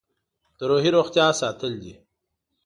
د روحي روغتیا ساتل دي.